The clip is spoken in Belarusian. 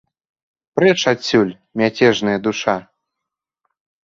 Прэч адсюль, мяцежная душа!